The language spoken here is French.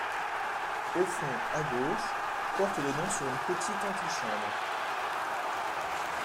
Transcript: Au fond, à gauche, porte donnant sur une petite anti-chambre.